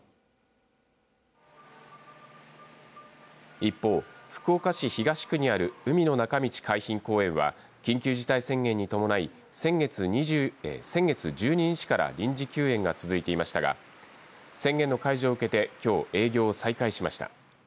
一方、福岡市東区にある海の中道海浜公園は緊急事態宣言に伴い先月１２日から臨時休園が続いていましたが宣言の解除を受けて、きょう営業を再開しました。